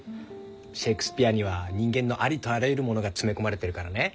シェークスピヤには人間のありとあらゆるものが詰め込まれてるからね。